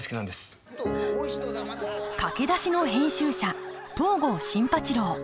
かけだしの編集者東郷新八郎